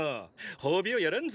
褒美をやらんぞ！